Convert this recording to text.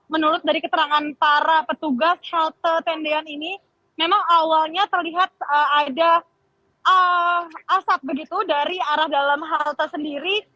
menurut dari keterangan para petugas halte tendean ini memang awalnya terlihat ada asap begitu dari arah dalam halte sendiri